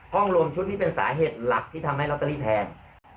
รวมชุดนี่เป็นสาเหตุหลักที่ทำให้ลอตเตอรี่แพง